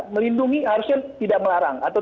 melindungi harusnya tidak melarang atau